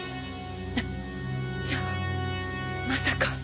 じゃあまさか？